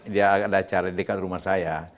dia ada acara di dekat rumah saya